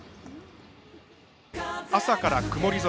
朝から曇り空。